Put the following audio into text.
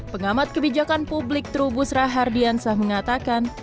pengamat kebijakan publik trubus rahardiansah mengatakan